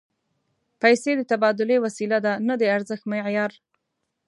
پیسې د تبادلې وسیله ده، نه د ارزښت معیار